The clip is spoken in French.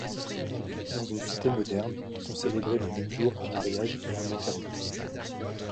Dans une cité moderne, sont célébrés le même jour un mariage et un enterrement.